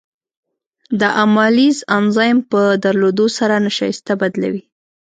د امایلیز انزایم په درلودو سره نشایسته بدلوي.